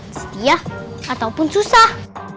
setia ataupun susah